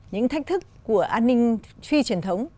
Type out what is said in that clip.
những thách thức của an ninh phi truyền thống